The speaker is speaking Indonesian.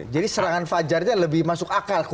jadi serangan fajarnya lebih masuk akal